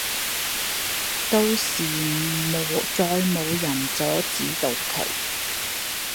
到時再冇人阻止到佢